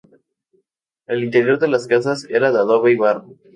El interior de las casas era de adobe y barro.